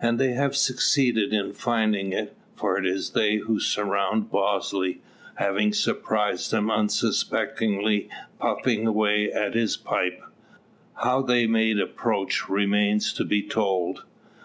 And they have succeeded in finding it, for it is they who surround Bosley, having surprised him unsuspectingly puffing away at his pipe. How they made approach, remains to be told.